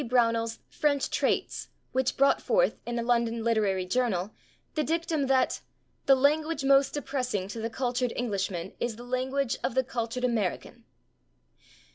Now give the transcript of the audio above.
Brownell's "French Traits" which brought forth, in a London literary journal, the dictum that "the language most depressing to the cultured Englishman is the language of the cultured American."